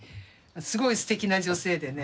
すごいすてきな女性でね